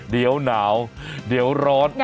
เดี๋ยวหนาวเดี๋ยวร้อน